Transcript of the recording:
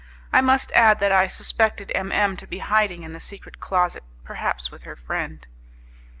I must add that I suspected M M to be hiding in the secret closet, perhaps with her friend.